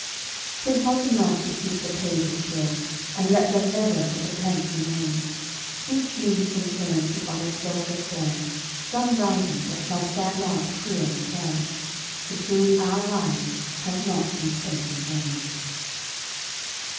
'Tis not enough to keep the pages pure, And let them ever but a blank remain; Each leaf in turn should on its surface bear Some writing that shall stand out clear and fair, To prove our lives have not been spent in vain.